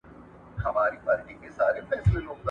د ملکیار په سبک کې د موسیقۍ او وزن همغږي شته.